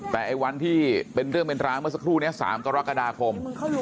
แต่ไอ้วันที่เป็นเรื่องเป็นรางเมื่อสักครู่นี้๓กรกฎาคม